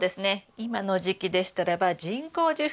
今の時期でしたらば人工授粉ができますね。